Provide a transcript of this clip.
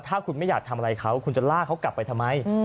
ถ้าคุณไม่อยากทำอะไรเขาคุณจะลากเขากลับไปทำไม